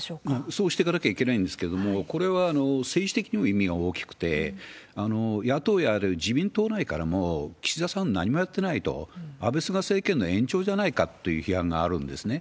そうしてかなきゃいけないんですけれども、これは政治的にも意味が大きくて、野党や、あるいは自民党内からも岸田さん、何もやってないと、安倍、菅政権の延長じゃないかという批判があるんですね。